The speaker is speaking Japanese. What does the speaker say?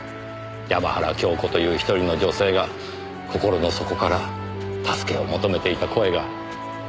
山原京子という１人の女性が心の底から助けを求めていた声が。